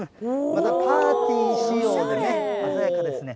またパーティー仕様でね、鮮やかですね。